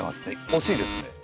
おしいですね。